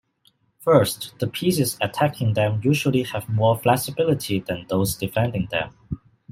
First, the pieces attacking them usually have more flexibility than those defending them.